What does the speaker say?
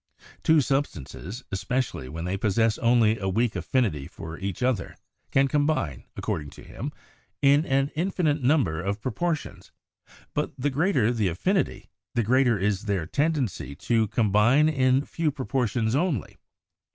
Two substances, especially when they possess only a weak affin ity for each other, can combine, according to him, in an infinite number of proportions ; but the greater the affinity, the greater is their tendency to combine in few propor tions only.